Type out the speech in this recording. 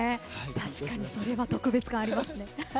確かにそれは特別感ありますね。